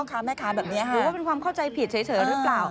หรือว่าเป็นความเข้าใจผิดเฉยหรือเปล่า